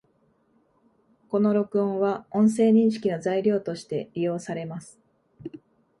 この録音は、音声認識の材料として利用されます